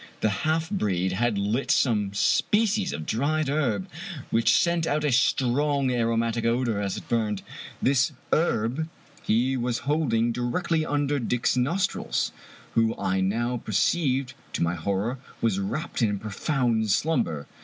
The half breed had lit some species of dried herb, which sent out a strong aromatic odor as it burned. This herb he was holding 54 Fitzjames O'Brien directly under Dick's nostrils, who I now perceived, to m)^ horror, was wrapped in a profound slumber.